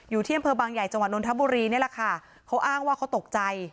อยู่ที่อำเภอบางใหญ่จังหวัดนทบุรีนี่แหละค่ะเขาอ้างว่าเขาตกใจ